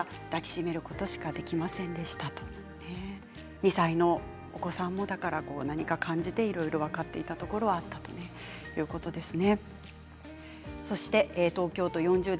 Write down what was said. ２歳のお子さんも何か感じていろいろ分かっていたところはあったということですね。